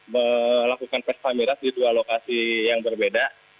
melakukan pes pamirat di dua lokasi yang berbeda